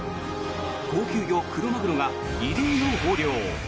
高級魚クロマグロが異例の豊漁。